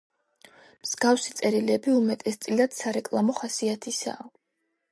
მსგავსი წერილები უმეტესწილად სარეკლამო ხასიათისაა.